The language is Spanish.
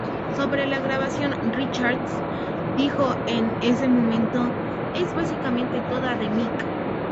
Sobre la grabación, Richards dijo en ese momento: "es básicamente toda de Mick.